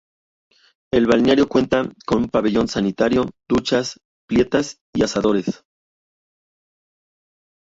El balneario cuenta con pabellón sanitario, duchas, piletas y asadores.